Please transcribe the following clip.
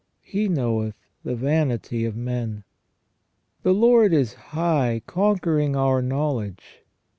... He knoweth the vanity of men." " The Lord is high, conquering our knowledge."